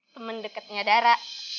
temen deketnya dara